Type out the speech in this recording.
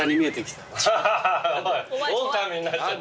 オオカミになっちゃった。